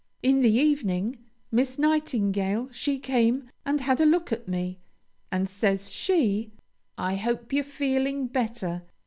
In the evening, Miss Nightingale she came and had a look at me, and says she, 'I hope you're feeling better.'